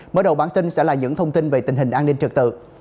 mở đầu bản tin sẽ là những thông tin về tình hình an ninh trật tự